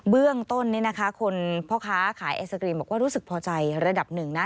เบื้องต้นนี้นะคะคนพ่อค้าขายไอศกรีมบอกว่ารู้สึกพอใจระดับหนึ่งนะ